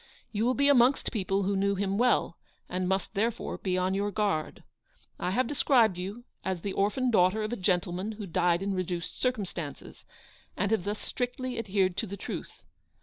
You will be amongst people who knew him well ; and must, therefore, be on your guard. I have described you as the orphan daughter of a gentleman who died in reduced circumstances, and have thus strictly adhered to the truth.